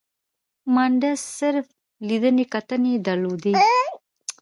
مانډس صرف لیدنې کتنې درلودې.